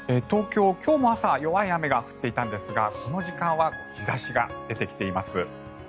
東京、今日も朝は弱い雨が降っていたんですがこの時間は日差しが出てきています。